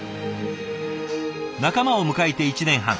仲間を迎えて１年半。